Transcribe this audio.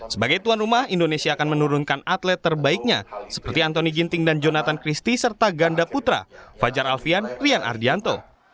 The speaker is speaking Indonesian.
sebagai tuan rumah indonesia akan menurunkan atlet terbaiknya seperti antoni ginting dan jonathan christie serta ganda putra fajar alfian rian ardianto